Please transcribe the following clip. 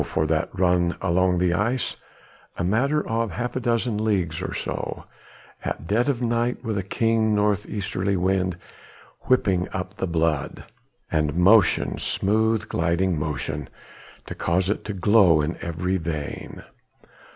for that run along the ice a matter of half a dozen leagues or so at dead of night with a keen north easterly wind whipping up the blood, and motion smooth gliding motion to cause it to glow in every vein.